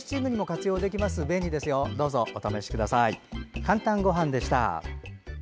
「かんたんごはん」でした。